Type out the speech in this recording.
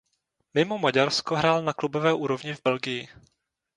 Mimo Maďarsko hrál na klubové úrovni v Belgii.